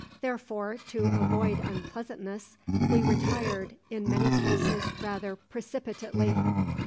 Therefore, to avoid unpleasantness, we retired, in many cases rather precipitately.